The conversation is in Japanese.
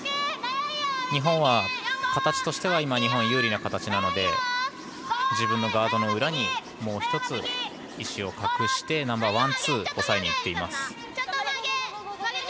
日本は形としては有利な形なので自分のガードの裏にもう１つ石を隠してナンバーワン、ツー押えにいっています。